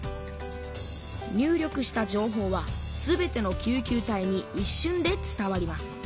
入力した情報は全ての救急隊にいっしゅんで伝わります。